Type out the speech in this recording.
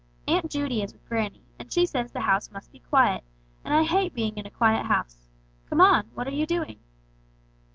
Aunt Judy is with granny, and she says the house must be quiet, and I hate being in a quiet house. Come on! What are you doing?"